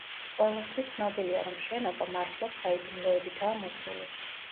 ყველასთვის ცნობილია, რომ შენობა მართლაც საიდუმლოებითაა მოცული.